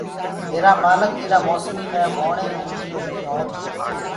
ميرآ مآلڪ ايٚرآ موسميٚ مي ووڻينٚ اوگديونٚ هينٚ اور